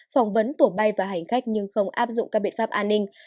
phỏng vấn tổ bay và hành khách nhưng không áp dụng các biện pháp an ninh